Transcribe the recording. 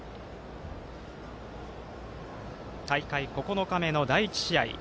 大会９日目の第１試合。